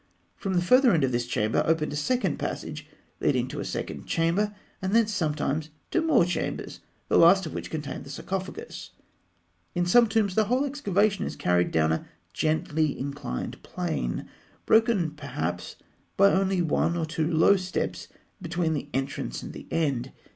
From the further end of this chamber opened a second passage leading to a second chamber, and thence sometimes to more chambers, the last of which contained the sarcophagus. In some tombs, the whole excavation is carried down a gently inclined plane, broken perhaps by only one or two low steps between the entrance and the end.